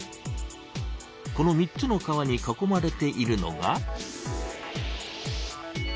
この３つの川に囲まれているのが。